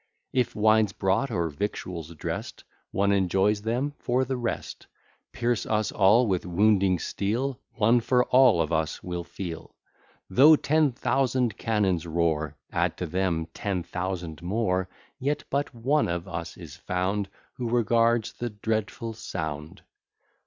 If wine's brought or victuals drest, One enjoys them for the rest. Pierce us all with wounding steel, One for all of us will feel. Though ten thousand cannons roar, Add to them ten thousand more, Yet but one of us is found Who regards the dreadful sound.